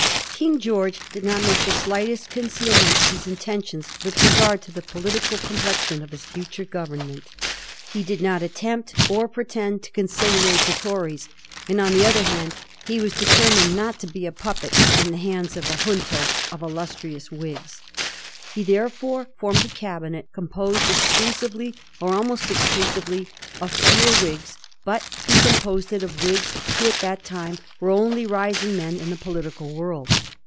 King George did not make the slightest concealment of his intentions with regard to the political com plexion of his futm e government. He did not attempt or pretend to conciliate the Tories, and, on the other hand, he was determined not to be a puppet in the hands of a * Jmito ' of illustrious Whigs. He therefore formed a cabinet, composed exclusively, or almost exclusively, of pure Whigs ; but he composed it of Whigs who at that time were only rising men in the political world.